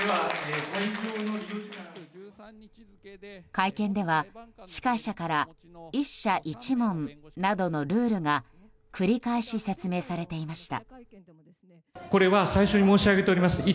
会見では司会者から１社１問などのルールが繰り返し説明されていました。